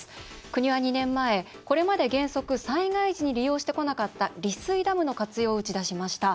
国は２年前、これまで原則災害時に利用してこなかった利水ダムの活用を打ち出しました。